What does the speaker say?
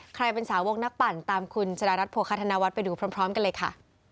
เป็นสาวกนักปั่นตามคุณชะดารัฐโภคาธนวัฒน์ไปดูพร้อมกันเลยค่ะ